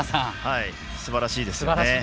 すばらしいですね。